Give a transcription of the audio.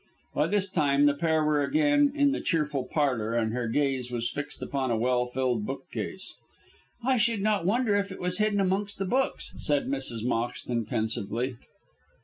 By this time the pair were again in the cheerful parlour, and her gaze was fixed upon a well filled bookcase. "I should not wonder if it was hidden amongst the books," said Mrs. Moxton, pensively.